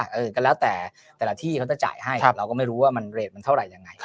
เออก็แล้วแต่แต่ละที่เขาจะจ่ายให้เราก็ไม่รู้ว่ามันเรทมันเท่าไหร่ยังไง